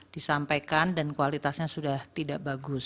disampaikan dan kualitasnya sudah tidak bagus